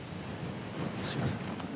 すみません。